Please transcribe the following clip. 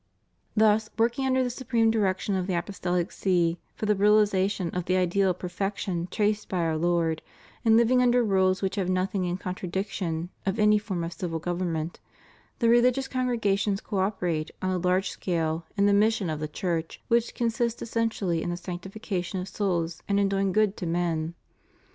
Thus, working under the supreme direction of the Apostolic See for the realiza tion of the ideal of perfection traced by Our Lord, and living under rules which have nothing in contradiction of any form of civil government, the religious congrega tions co operate on a large scale in the mission of the Church, which consists essentially in the sanctification of souls and in doing good to men.